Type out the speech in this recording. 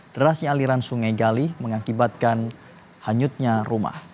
terasnya aliran sungai galih mengakibatkan hanyutnya rumah